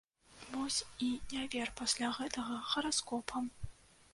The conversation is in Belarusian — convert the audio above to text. Вось і не вер пасля гэтага гараскопам!